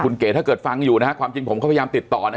คุณเก๋ถ้าเกิดฟังอยู่นะฮะความจริงผมก็พยายามติดต่อนะ